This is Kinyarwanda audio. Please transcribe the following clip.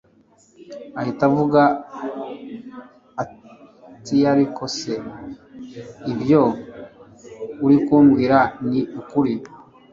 ahita avuga atiariko se ibyo urikubwira ni ukuri